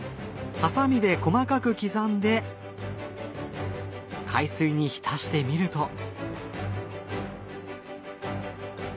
ハサミで細かく刻んで海水に浸してみると。